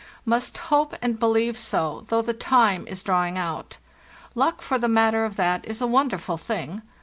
Must hope and believe so, though the time is drawing out. Luck, for the matter of that, is a wonderful thing.